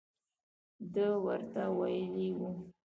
ده ورته ویلي وو.